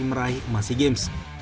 meraih masi games